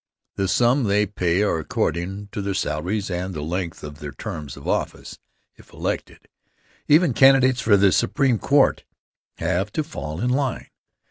The sums they pay are accordin' to their salaries and the length of their terms of office, if elected. Even candidates for the Supreme Court have to fall in line.